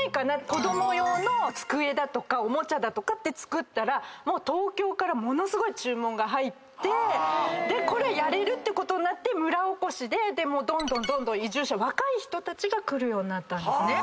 子供用の机とかおもちゃとか作ったら東京からものすごい注文が入ってこれやれるってことになって村おこしでどんどん移住者若い人たちが来るようになったんですね。